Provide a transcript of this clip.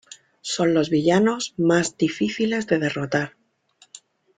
Son los villanos más difíciles de derrotar.